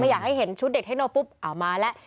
อยากให้เห็นชุดเด็กเทคโนปุ๊บเอามาแล้ว